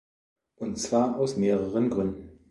Und zwar aus mehreren Gründen.